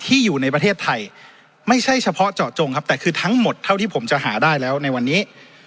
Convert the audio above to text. อยู่ในประเทศไทยไม่ใช่เฉพาะเจาะจงครับแต่คือทั้งหมดเท่าที่ผมจะหาได้แล้วในวันนี้